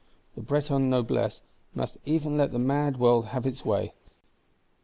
_ The Breton Noblesse must even let the mad world have its way.